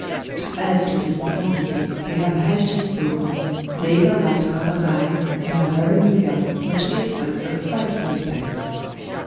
To add to this deformity, they have high cheek bones, lagre light colored eyes, and are very meagre, which gives them a frightful aspect.